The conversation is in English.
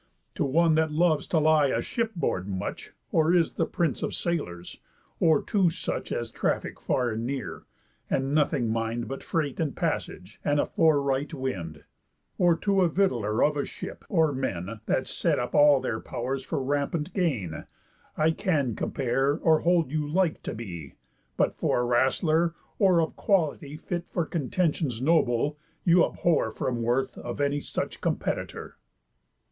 To one that loves to lie aship board much, Or is the prince of sailors; or to such As traffic far and near, and nothing mind But freight, and passage, and a foreright wind; Or to a victualler of a ship; or men That set up all their pow'rs for rampant gain; I can compare, or hold you like to be: But, for a wrastler, or of quality Fit for contentions noble, you abhor From worth of any such competitor."